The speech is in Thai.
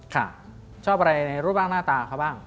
ชอบอะไรในรูปร่างหน้าตาเขาบ้าง